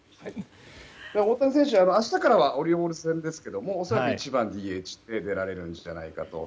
大谷選手、明日からオリオールズ戦ですけど恐らく１番ＤＨで出られるんじゃないかと。